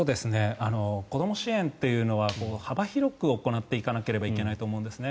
子ども支援というのは幅広く行っていかなければいけないと思うんですね。